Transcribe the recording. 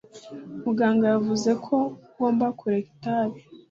muganga yavuze ko ngomba kureka itabi